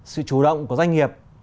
sự chủ động của doanh nghiệp